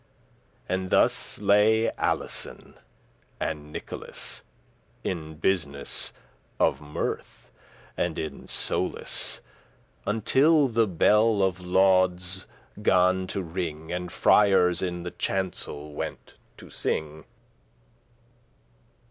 And thus lay Alison and Nicholas, In business of mirth and in solace, Until the bell of laudes* gan to ring, *morning service, at 3.a.m. And friars in the chancel went to sing.